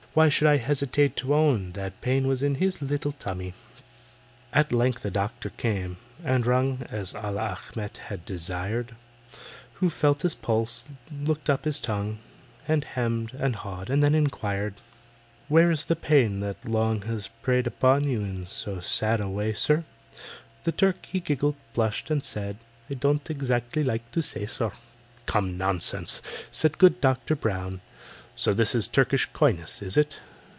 Why should I hesitate to own That pain was in his little tummy? At length a doctor came, and rung (As ALLAH ACHMET had desired), Who felt his pulse, looked up his tongue, And hemmed and hawed, and then inquired: "Where is the pain that long has preyed Upon you in so sad a way, sir?" The Turk he giggled, blushed, and said: "I don't exactly like to say, sir." "Come, nonsense!" said good DOCTOR BROWN. "So this is Turkish coyness, is it?